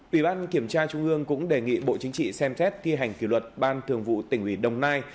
ủy ban kiểm tra trung ương cũng đề nghị bộ chính trị xem xét thi hành kỷ luật ban thường vụ tỉnh ủy đồng nai